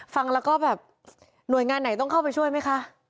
ฟังแล้วก็แบบหน่วยงานไหนต้องเข้าไปช่วยไหมคะ